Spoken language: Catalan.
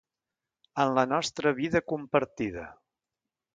En la nostra vida compartida.